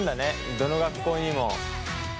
どの学校にも。